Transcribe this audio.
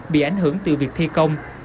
bị ảnh hưởng từ việc thi công